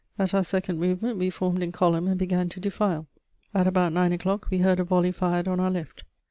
At our second movement, we formed in column and began to defile. At about nine o'clock, we heard a volley fired on our left.